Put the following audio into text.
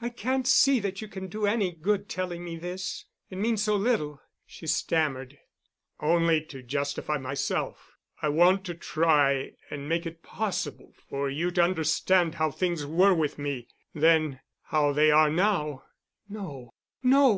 "I can't see that you can do any good telling me this. It means so little," she stammered. "Only to justify myself. I want to try and make it possible for you to understand how things were with me then—how they are now." "No, no.